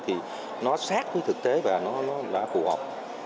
thì nó sát với thực tế và nó đã phù hợp